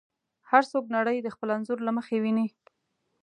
هر څوک نړۍ د خپل انځور له مخې ویني.